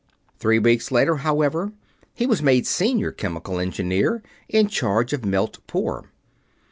Three weeks later, however, he was made Senior Chemical Engineer, in charge of Melt Pour.